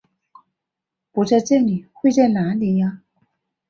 不在这里会在哪里啊？